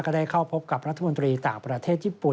ได้เข้าพบกับรัฐมนตรีต่างประเทศญี่ปุ่น